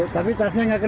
tapi tasnya nggak kena